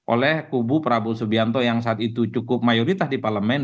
oleh kubu prabowo subianto yang saat itu cukup mayoritas di parlemen